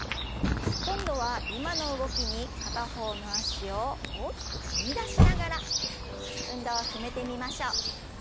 今度は今の動きに片方の脚を大きく踏み出しながら運動を進めてみましょう。